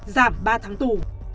giảm ba tháng tù